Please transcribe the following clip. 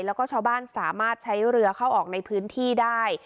แล้วก็ชาวบ้านสามารถใช้เรือเข้าออกในพื้นที่ได้